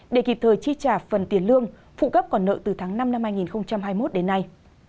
để kịp thời chi trả phần tiền lương phụ cấp còn nợ từ tháng năm năm hai nghìn hai mươi một đến nay